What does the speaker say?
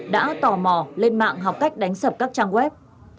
đã tò mò lên mạng học cách đánh sập các trang web